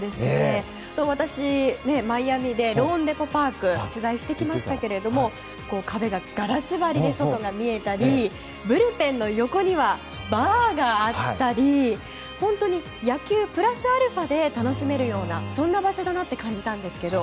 私、マイアミでローンデポ・パークを取材してきましたけども壁がガラス張りで外が見えたりブルペンの横にはバーがあったり本当に野球プラスアルファで楽しめるようなそんな場所だと感じたんですが。